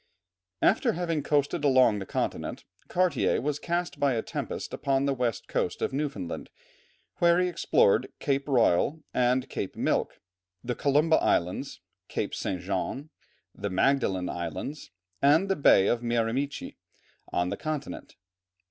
After having coasted along the continent, Cartier was cast by a tempest upon the west coast of Newfoundland, where he explored Cape Royal and Cape Milk, the Columba Islands, Cape St. John, the Magdalen Islands, and the Bay of Miramichi on the continent.